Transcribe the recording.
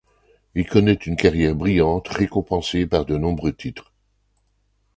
Il connaît une carrière brillante, récompensée par de nombreux titres.